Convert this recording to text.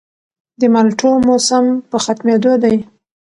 د مالټو موسم په ختمېدو دی